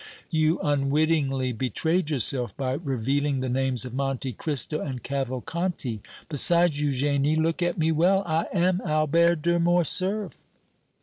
"You unwittingly betrayed yourself by revealing the names of Monte Cristo and Cavalcanti. Besides, Eugénie, look at me well I am Albert de Morcerf!"